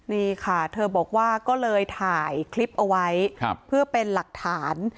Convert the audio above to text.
นี่ค่ะเธอบอกว่าก็เลยถ่ายคลิปเอาไว้เพื่อเป็นหลักฐาน